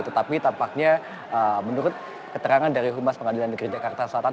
tetapi tampaknya menurut keterangan dari humas pengadilan negeri jakarta selatan